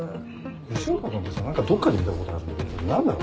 吉岡君ってさ何かどっかで見たことあるんだけど何だろ？